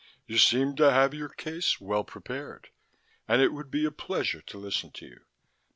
"You seem to have your case well prepared, and it would be a pleasure to listen to you."